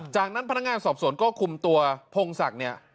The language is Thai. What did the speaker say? จากนั้นพนักงานสอบสวนก็คุมตัวพงศักดิ์เนี่ย